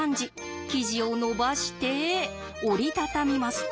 生地をのばして折り畳みます。